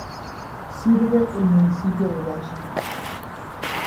Sirve el Municipio de Washington.